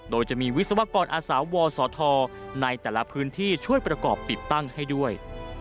โดยจะมีวิศวกรอาสาวทในแต่ละพื้นที่ช่วยประกอบติดตั้งให้ด้วย